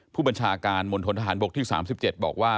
ผู้บัญชาการมนตรฐานปกที่๓๗บอกว่า